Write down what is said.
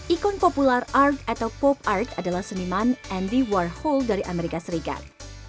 ikon popular art atau pop art adalah seniman andy warhole dari amerika serikat